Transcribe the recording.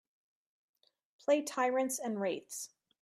Play Tyrants And Wraiths